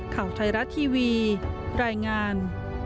ข่าวไทยรัฐทีวีรายงาน